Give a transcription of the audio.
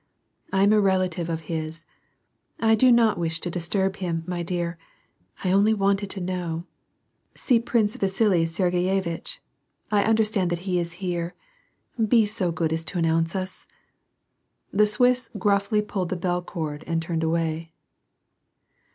I am a relative of his. I do not wish to disturb him, my dear, I only wanted to know — see Prince Vasili Sergeyevitch ; I understand that he is here. Be so good as to announce us." The Swiss gruffly pulled the bell cord and turned away.